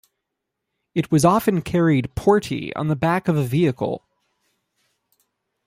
It was often carried "portee" on the back of a vehicle.